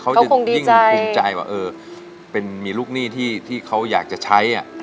เขาคงดีใจมีลูกหนี้ที่เขาอยากจะใช้อะ